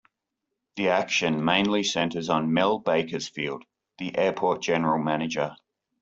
The action mainly centers on Mel Bakersfeld, the Airport General Manager.